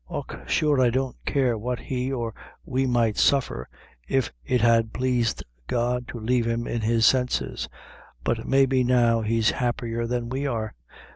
Och, sure I didn't care what he or we might suffer, if it had plased God to lave him in his senses; but maybe now he's happier than we are.